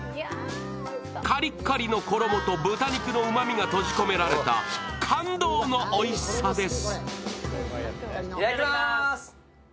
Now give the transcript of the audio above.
カリカリの衣と豚肉のうまみが閉じ込められた感動のおいしさです。